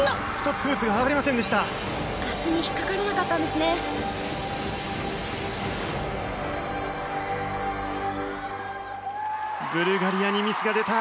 １つフープが上がりませんでした。